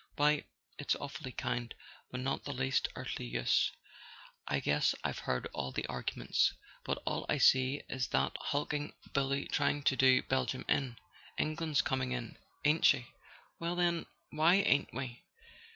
Why, it's awfully kind, but not the least earthly use. I guess I've heard all the arguments. But all I see is that hulking bully trying to do Belgium in. England's coming in, ain't she? Well, then why ain't we?"